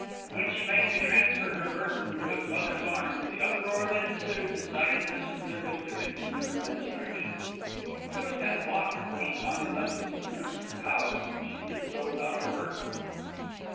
When she made to transfer her burden to its mother's arms, the uproar that ensued decided Mrs. Bindle to continue her ministrations. It was ten o'clock before she finally left Mrs. Grimps's house, and she did so without a word.